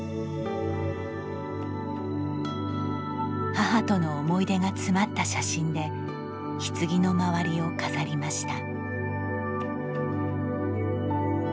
母との思い出が詰まった写真でひつぎの周りを飾りました。